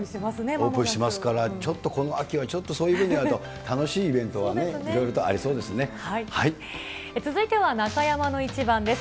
オープンしますから、ちょっとこの秋は、ちょっとそういう意味だと、楽しいイベントがいろい続いては中山のイチバンです。